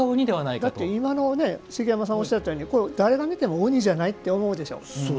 だって、茂山さんもおっしゃったように誰が見ても鬼じゃないって思うでしょう。